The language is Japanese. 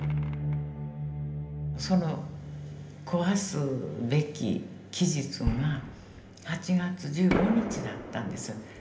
その壊すべき期日が８月１５日だったんです。